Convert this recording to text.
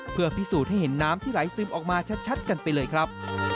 เพื่อพิสูจน์ให้เห็นน้ำที่ไหลซึมออกมาชัดกันไปเลยครับ